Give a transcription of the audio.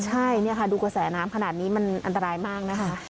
ใช่เนี่ยค่ะดูกระแสน้ำขนาดนี้มันอันตรายมากนะคะ